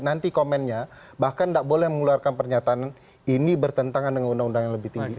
nanti komennya bahkan tidak boleh mengeluarkan pernyataan ini bertentangan dengan undang undang yang lebih tinggi